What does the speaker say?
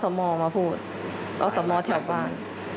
ออสโมมาพูดออสโมแถวบ้าน